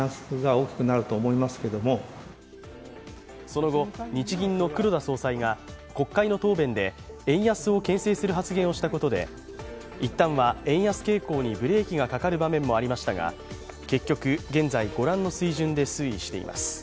その後、日銀の黒田総裁が国会の答弁で円安をけん制する発言をしたことで一旦は円安傾向にブレーキがかかる場面もありましたが結局、現在御覧の水準で推移しています。